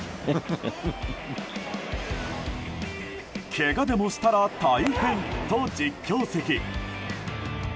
けがでもしたら大変と実況席。